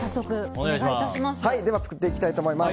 作っていきたいと思います。